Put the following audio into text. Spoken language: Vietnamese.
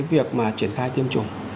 việc triển khai tiêm chủng